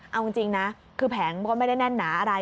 เอาจริงนะคือแผงก็ไม่ได้แน่นหนาอะไร